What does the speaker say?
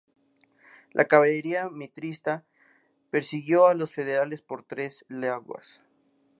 La caballería mitrista persiguió a los federales por tres leguas.